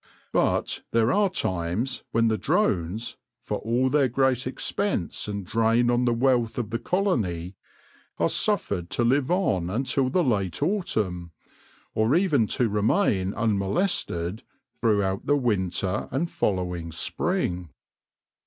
But there are times when the drones — for all their great expense and drain on the wealth of the colony — are suffered to live on until the late autumn, or even to remain unmolested throughout the winter and following spring.